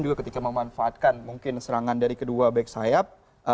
juga ketika memanfaatkan mungkin serangan dari kedua back sayap